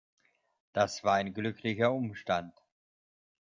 Das war ein glücklicher Umstand.